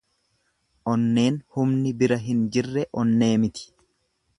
Onneen humni bira hin jirre onnee miti.